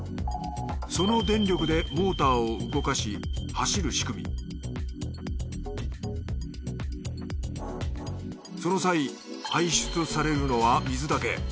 その電力でモーターを動かし走る仕組みその際排出されるのは水だけ。